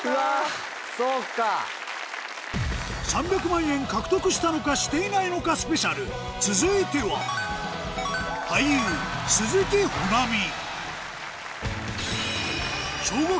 ３００万円獲得したのかしていないのかＳＰ続いては俳優鈴木保奈美